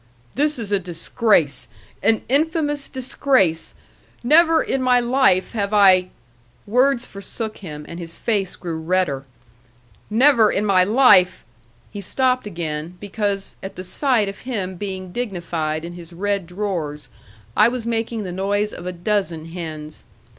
"This is a disgrace. An infamous disgrace. Never in my life have I " Words forsook him, and his face grew redder. "Never in my life " He stopped again, because, at the sight of him being dignified in his red drawers, I was making the noise of a dozen hens.